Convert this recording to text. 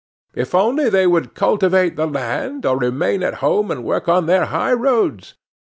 If only they would cultivate the land, or remain at home and work on their high roads!